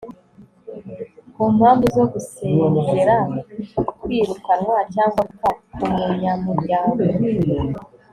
ku mpamvu zo gusezera, kwirukanwa cyangwa gupfa k'umunyamuryango